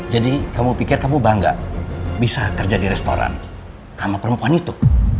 jadi kamu pikir kamu bangga bisa kerja di restoran sama perempuan itu